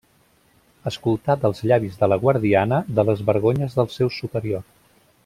Escoltà dels llavis de la guardiana de les vergonyes del seu superior.